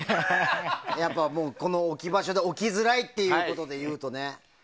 やっぱり置き場所で置きづらいっていうことで言うと。